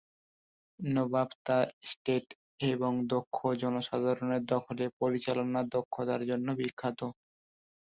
নবাব তার এস্টেট এবং দক্ষ জনসাধারণের দখলে পরিচালনার দক্ষতার জন্য বিখ্যাত।